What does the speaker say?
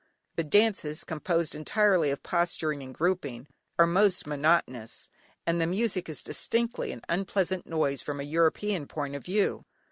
The dances, composed entirely of posturing and grouping, are most monotonous, and the music is distinctly an unpleasant noise from a European point of view.